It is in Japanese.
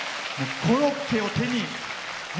コロッケを手にね。